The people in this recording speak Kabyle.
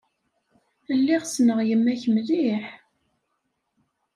Lliɣ ssneɣ yemma-k mliḥ.